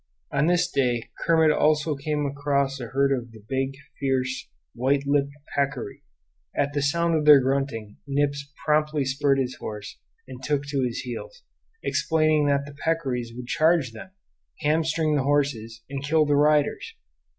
On this day Kermit also came across a herd of the big, fierce white lipped peccary; at the sound of their grunting Nips promptly spurred his horse and took to his heels, explaining that the peccaries would charge them, hamstring the horses, and kill the riders.